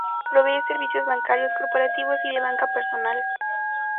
Provee servicios bancarios, corporativos y de banca personal.